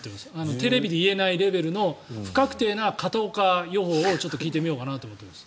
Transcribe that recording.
テレビで言えないレベルの不確定な片岡予報を聞いてみようと思っています。